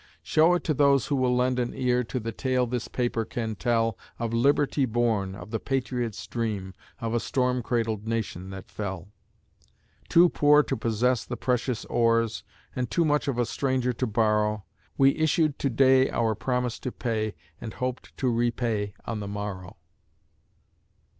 Show it to those who will lend an ear To the tale this paper can tell Of liberty born, of the patriot's dream, Of a storm cradled nation that fell. Too poor to possess the precious ores, And too much of a stranger to borrow, We issued to day our promise to pay, And hoped to repay on the morrow.